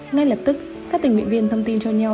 ngay lập tức các tình nguyện viên thông tin cho nhau